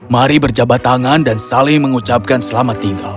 mari berjabat tangan dan saling mengucapkan selamat tinggal